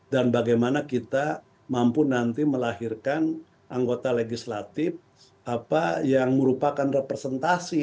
dan bagaimana kita mampu nanti melahirkan anggota legislatif yang merupakan representasi